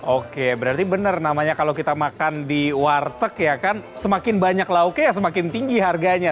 oke berarti benar namanya kalau kita makan di warteg ya kan semakin banyak lauknya ya semakin tinggi harganya